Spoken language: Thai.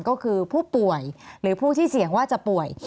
ก็คือผู้ป่วยหรือผู้ที่เสี่ยงว่าจะป่วย